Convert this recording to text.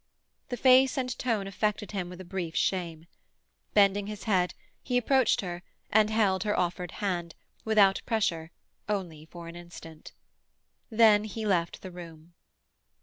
The face and tone affected him with a brief shame. Bending his head, he approached her, and held her offered hand, without pressure, only for an instant. Then he left the room.